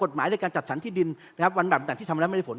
หมายในการจัดสรรที่ดินนะครับวันแบบไหนที่ทำแล้วไม่ได้ผล